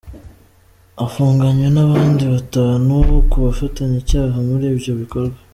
Afunganywe n’abandi batanu ku bufatanyacyaha muri ibyo bikorwa.